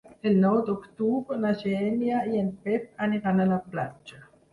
El nou d'octubre na Xènia i en Pep aniran a la platja.